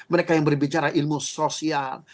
mereka yang berbicara ilmu sosial